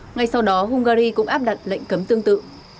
ngay sau đó hungary cũng áp đặt lệnh cấm tương tự